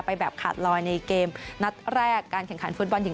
แบบขาดลอยในเกมนัดแรกการแข่งขันฟุตบอลหญิง